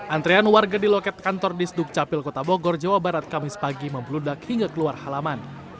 antrean warga di loket kantor disduk capil kota bogor jawa barat kamis pagi membludak hingga keluar halaman